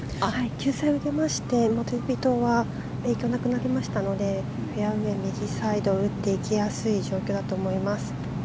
救済を受けまして影響はなくなりましたのでフェアウェー右サイド打っていきやすい状況だと思います。